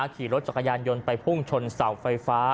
ขี่รถจักรยานยนต์ไปพุ่งชนเสาไฟฟ้า